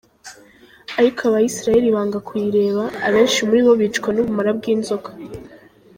Ariko Abisirayeli banga kuyireba, abenshi muri bo bicwa n’ubumara bw’inzoka.